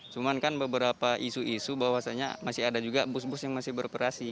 cuman kan beberapa isu isu bahwasannya masih ada juga bus bus yang masih beroperasi